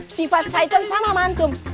sifat syaitan sama sama antum